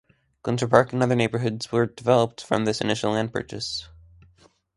Ginter Park and other neighborhoods were developed from this initial land purchase.